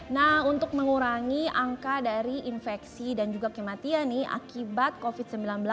nah untuk mengurangi angka dari infeksi dan juga kematian nih akibat covid sembilan belas